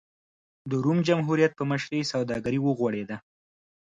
د روم جمهوریت په مشرۍ سوداګري وغوړېده.